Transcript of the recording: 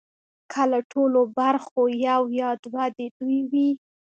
که له ټولو برخو یو یا دوه د دوی وي